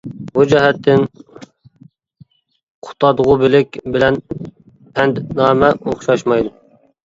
بۇ جەھەتتىن «قۇتادغۇبىلىك» بىلەن «پەندنامە» ئوخشاشمايدۇ.